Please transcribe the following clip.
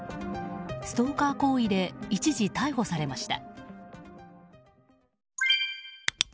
ストーカー行為で一時逮捕されました。